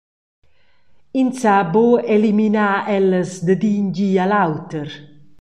Ins sa buca eliminar ellas dad in di a l’auter.